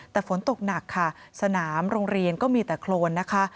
แต่ฝนตกหนักค่ะสนามโรงเรียนก็มีแต่โครนนะคะ